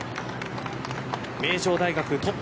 名城大学トップ。